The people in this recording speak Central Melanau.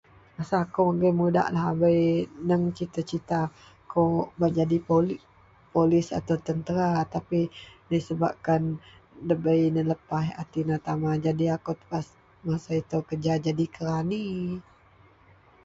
Rasa kou agei mudak lahabei neng cita-cita kou bak jadi polih atau tentera, tapi disebabkan debei nelepaih a tina-tama jadi akou pas, masa ito akou kerja jadi kerani.